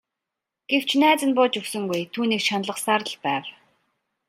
Гэвч найз нь бууж өгсөнгүй түүнийг шаналгасаар л байв.